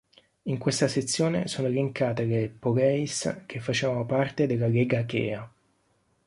In questa sezione sono elencate le "poleis" che facevano parte della lega achea.